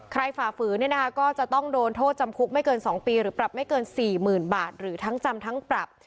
ฝ่าฝืนเนี่ยนะคะก็จะต้องโดนโทษจำคุกไม่เกิน๒ปีหรือปรับไม่เกิน๔๐๐๐บาทหรือทั้งจำทั้งปรับ